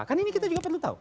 kan ini kita juga perlu tahu